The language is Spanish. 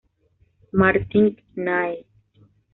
Martin Knight